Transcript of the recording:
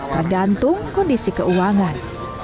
tergantung kondisi keuangan